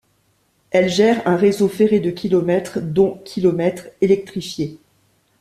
Elle gère un réseau ferré de km, dont km électrifiés.